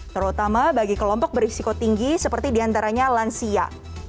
terutama bagi kelompok berisiko tinggi seperti diantaranya lansia